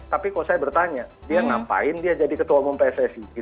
tapi kok saya bertanya dia ngapain dia jadi ketua umum pssi